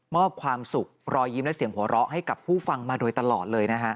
อบความสุขรอยยิ้มและเสียงหัวเราะให้กับผู้ฟังมาโดยตลอดเลยนะฮะ